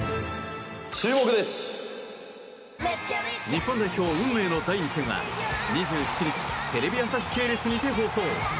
日本代表、運命の第２戦は２７日テレビ朝日系列にて放送。